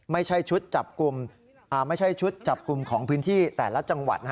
ไม่ใช่ชุดจับกลุ่มของพื้นที่แต่ละจังหวัด